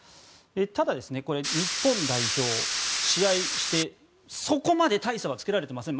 ただ、日本代表試合をしてそこまで大差はつけられてません。